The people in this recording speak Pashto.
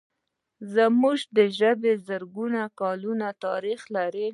زموږ ژبه د زرګونو کلونو تاریخ لري.